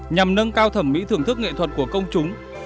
nhằm nâng cao thẩm mỹ thưởng thức nghệ thuật của công chúng